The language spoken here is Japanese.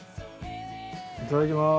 いただきます。